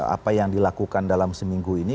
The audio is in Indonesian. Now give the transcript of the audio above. apa yang dilakukan dalam seminggu ini